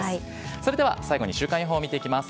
それでは最後に、週間予報を見ていきます。